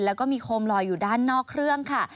แล้วก็มีโคมลอยอยู่ด้านนอกเครื่องค่ะ